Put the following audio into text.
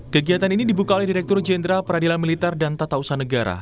kegiatan ini dibuka oleh direktur jenderal peradilan militer dan tata usaha negara